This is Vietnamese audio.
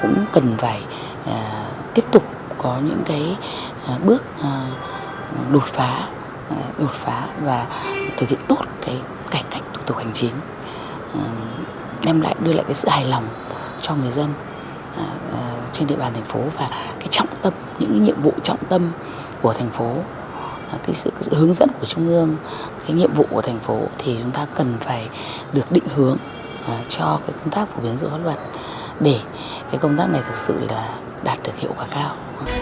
những nhiệm vụ trọng tâm của thành phố sự hướng dẫn của trung ương nhiệm vụ của thành phố thì chúng ta cần phải được định hướng cho công tác phổ biến giáo dục pháp luật để công tác này thực sự đạt được hiệu quả cao